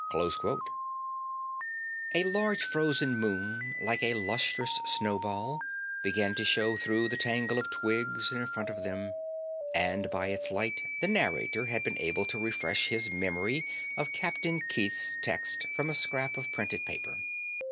'" A large frozen moon like a lustrous snowball began to show through the tangle of twigs in front of them, and by its light the narrator had been able to refresh his memory of Captain Keith's text from a scrap of printed paper.